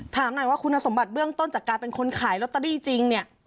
ถามหน่อยว่าคุณสมบัติเบื้องต้นจากการเป็นคนขายลอตเตอรี่จริงเนี่ย